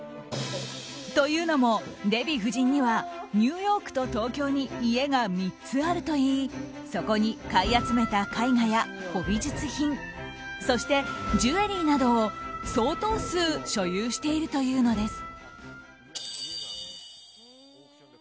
というのも、デヴィ夫人にはニューヨークと東京に家が３つあるといいそこに買い集めた絵画や古美術品そして、ジュエリーなどを相当数所有しているというのです。